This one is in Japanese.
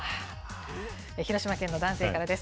広島県の男性からです。